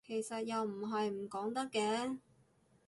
其實又唔係唔講得嘅